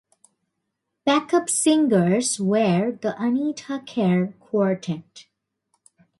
Backup singers were the Anita Kerr Quartet.